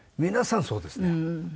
皆さんそうですね。